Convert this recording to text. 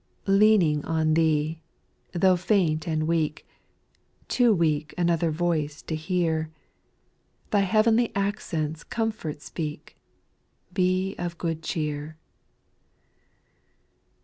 Leaning on Thee, though faint and weak, Too weak another voice to hear, Thy heavenly accents comfort speak, *' Be of good cheer."